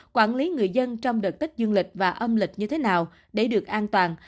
quản lý người dân trong đợt tích dương lịch và âm lịch như thế nào để được an toàn